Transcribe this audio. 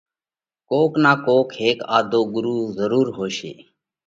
ڪوڪ نا ڪوڪ ھيڪ آڌو ڳرُو ضرُور ھوشي۔